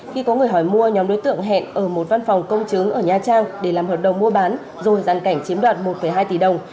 khi có người hỏi mua nhóm đối tượng hẹn ở một văn phòng công chứng ở nha trang để làm hợp đồng mua bán rồi giàn cảnh chiếm đoạt một hai tỷ đồng